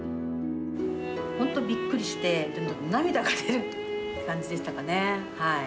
本当、びっくりして、ちょっと涙が出る感じでしたかね。